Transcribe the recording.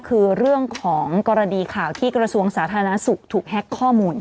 คือเรื่องของกรณีข่าวที่กระทรวงสาธารณสุขถูกแฮ็กข้อมูล